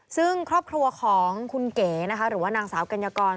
ซึ่งครอบครัวของคุณเก๋นะคะหรือว่านางสาวกัญญากร